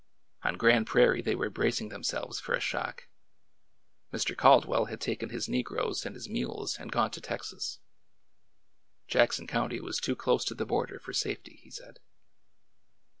On Grand Prairie they were bracing themselves for a shock. Mr. Caldwell had taken his negroes and his mules and gone to Texas. Jackson County was too close to the border for safety, he said.